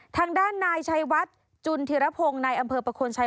ทางด้านนายชัยวัดจุนธิรพงศ์นายอำเภอประโคนชัย